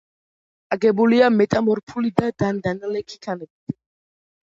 აგებულია მეტამორფული და დანალექი ქანებით.